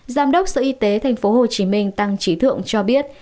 giám đốc sở y tế tp hcm tăng trí thượng cho biết